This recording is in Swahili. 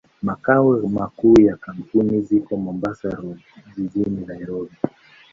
Makao makuu ya kampuni ziko Mombasa Road, jijini Nairobi.